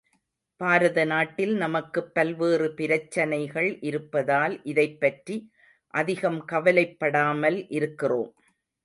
பாரத நாட்டில் நமக்குப் பல்வேறு பிரச்சனைகள் இருப்பதால் இதைப்பற்றி அதிகம் கவலைப்படாமல் இருக்கிறோம்.